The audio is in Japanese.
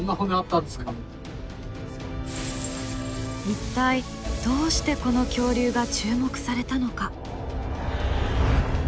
一体どうしてこの恐竜が注目されたのか？